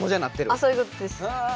あそういうことです。